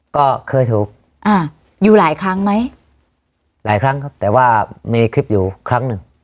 ก็เคยถูกอ่าอยู่หลายครั้งไหมหลายครั้งครับแต่ว่ามีคลิปอยู่ครั้งหนึ่ง